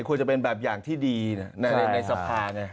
ควรจะเป็นแบบอย่างที่ดีในสภาไง